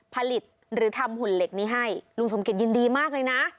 ผลิตหรือทำหุ่นเหล็กนี้ให้ลุงสมเกียจยินดีมากเลยนะ